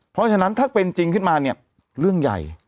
เพราะฉะนั้นถ้าเป็นจริงขึ้นมาเนี่ยเรื่องใหญ่